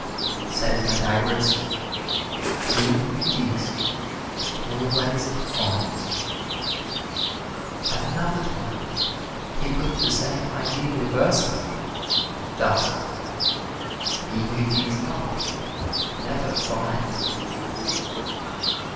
Said Pythagoras, "He who digs, always finds." At another time, he put the same idea reversely, thus, "He who digs not, never finds."